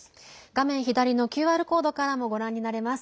画面左のＱＲコードからもご覧になれます。